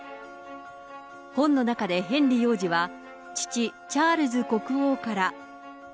本の中でヘンリー王子は、父、チャールズ国王から。